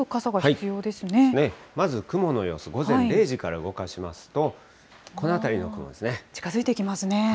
まず雲の様子、午前０時から動かしますと、この辺りの雲ですね。